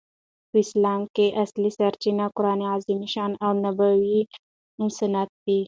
په اسلام کښي اصلي سرچینه قران عظیم الشان او نبوي سنت ده.